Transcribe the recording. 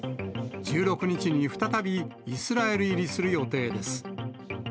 １６日に再び、イスラエル入りする予定です。